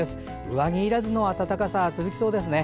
上着いらずの暖かさが続きそうです。